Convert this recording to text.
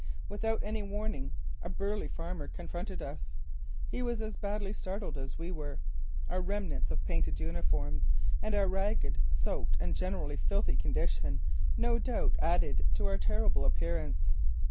Without any warning, a burly farmer confronted us. He was as badly startled as we were. Our remnants of painted uniforms and our ragged, soaked and generally filthy condition no doubt added to our terrible appearance.